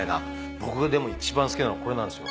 僕がでも一番好きなのこれなんですよ。